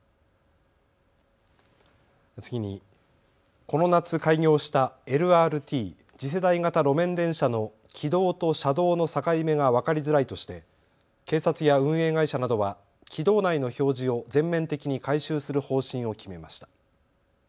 次に、この夏開業したＬＲＴ・次世代型路面電車の軌道と車道の境目が分かりづらいとして警察や運営会社などは軌道内の表示を全面的に改修する方針を決めました。